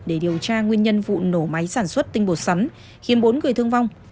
để điều tra nguyên nhân vụ nổ máy sản xuất tinh bột sắn khiến bốn người thương vong